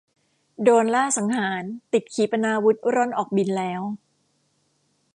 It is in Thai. โดรนล่าสังหารติดขีปนาวุธร่อนออกบินแล้ว